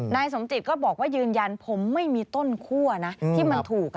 นายสมจิตก็บอกว่ายืนยันผมไม่มีต้นคั่วนะที่มันถูก